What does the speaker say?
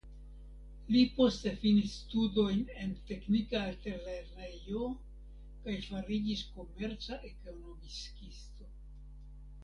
Li poste finis studojn en teknika altlernejo kaj fariĝis komerca ekonomikisto.